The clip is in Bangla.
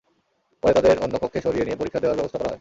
পরে তাদের অন্য কক্ষে সরিয়ে নিয়ে পরীক্ষা দেওয়ার ব্যবস্থা করা হয়।